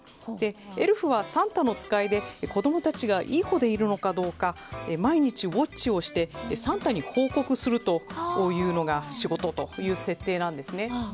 エルフはサンタの使いで子供たちがいい子でいるのかどうか毎日、ウォッチをしてサンタに報告するのが仕事という設定なんですね。